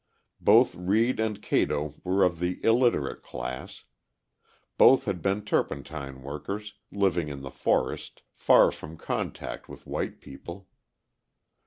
Both Reed and Cato were of the illiterate class; both had been turpentine workers, living in the forest, far from contact with white people.